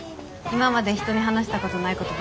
今まで人に話したことないこと